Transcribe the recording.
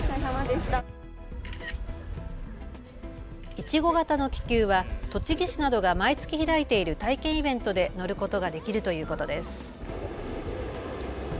いちご型の気球は栃木市などが毎月開いている体験イベントで乗ることができるということです。